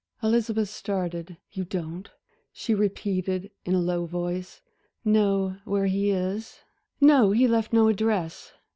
Elizabeth started. "You don't," she repeated, in a low voice, "know where he is?" "No, he left no address.